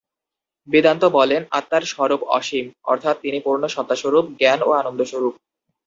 বেদান্ত বলেন, আত্মার স্বরূপ অসীম অর্থাৎ তিনি পূর্ণ সত্তাস্বরূপ, জ্ঞান ও আনন্দ-স্বরূপ।